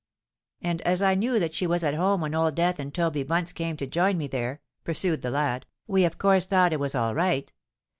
And as I knew that she was at home when Old Death and Toby Bunce came to join me there," pursued the lad, "we of course thought it was all right.